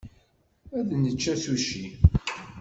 Ad necc asuci.